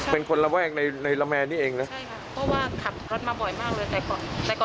เป็นคนถ้าดูนี่คือ